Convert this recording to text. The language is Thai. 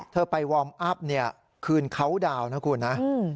เธอไปวอร์มอัพเนี่ยคืนเขาดาวนะคุณนะ